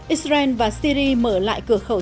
israel và syri mở lại cửa khẩu